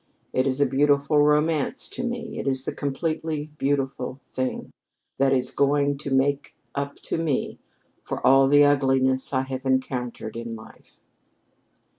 It is a beautiful romance to me. It is the completely beautiful thing that is going to make up to me for all the ugliness I have encountered in life."